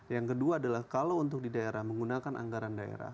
yang kedua adalah kalau untuk di daerah menggunakan anggaran daerah